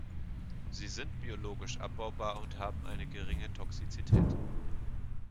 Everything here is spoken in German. Sie sind biologisch abbaubar und haben eine geringe Toxizität.